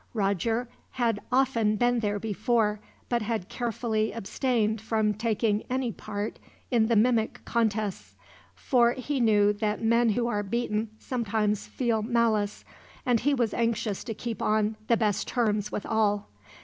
Roger had often been there before, but had carefully abstained from taking any part in the mimic contests; for he knew that men who are beaten sometimes feel malice, and he was anxious to keep on the best terms with all.